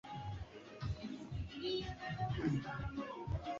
Busanda mbunge ni Lolensia Bukwimba kupitia Chama cha mapinduzi